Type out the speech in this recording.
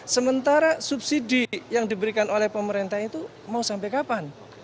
sementara subsidi yang diberikan oleh pemerintah itu mau sampai kapan